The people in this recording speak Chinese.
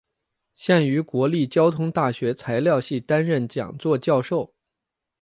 现于国立交通大学材料系担任讲座教授。